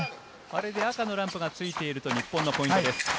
赤のランプがついていると日本のポイントです。